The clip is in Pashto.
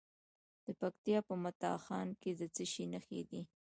د پکتیکا په متا خان کې د څه شي نښې دي؟